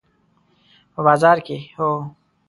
په بازار کې، هو